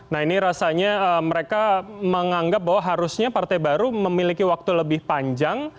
nah ini rasanya mereka menganggap bahwa harusnya partai baru memiliki waktu lebih panjang